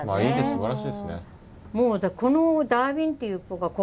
すばらしいですね。